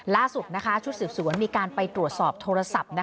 ล่าสุดชุดสืบสวนมีการไปตรวจสอบโทรศัพท์